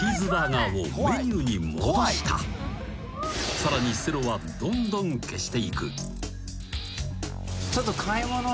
［さらにセロはどんどん消していく］